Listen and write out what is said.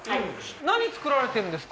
何作られてるんですか？